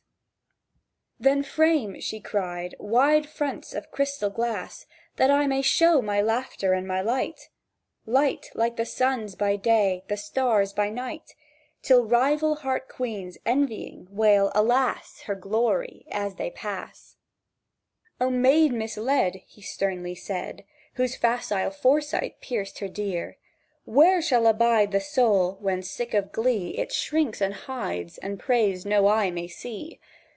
[Picture: Sketch of people carrying a large object up stairs] "Then frame," she cried, "wide fronts of crystal glass, That I may show my laughter and my light— Light like the sun's by day, the stars' by night— Till rival heart queens, envying, wail, 'Alas, Her glory!' as they pass." "O maid misled!" He sternly said, Whose facile foresight pierced her dire; "Where shall abide the soul when, sick of glee, It shrinks, and hides, and prays no eye may see?